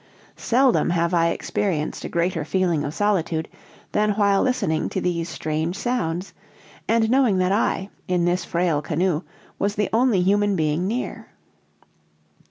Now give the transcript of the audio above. Seldom have I experienced a greater feeling of solitude than while listening to these strange sounds, and knowing that I, in this frail canoe, was the only human being near.